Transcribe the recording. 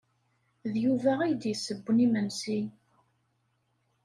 D Yuba ay d-yessewwen imensi.